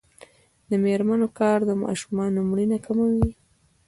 د میرمنو کار د ماشومانو مړینه کموي.